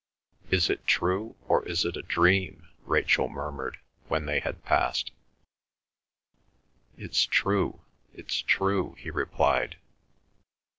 "Is it true, or is it a dream?" Rachel murmured, when they had passed. "It's true, it's true," he replied.